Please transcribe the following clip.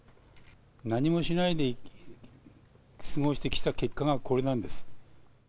何もしないで過ごしてきた結果がこれなんです。